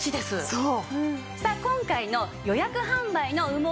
そう！